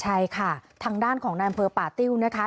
ใช่ค่ะทางด้านของนายอำเภอป่าติ้วนะคะ